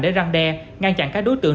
để răng đe ngăn chặn các đối tượng